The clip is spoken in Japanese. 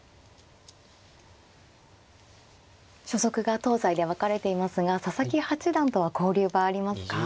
所属が東西で分かれていますが佐々木八段とは交流はありますか？